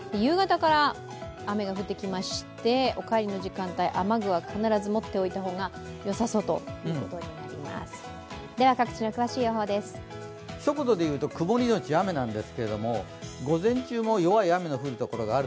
夕方から雨が降ってきまして、お帰りの時間帯、雨具は必ず持っておいた方がよさそうです。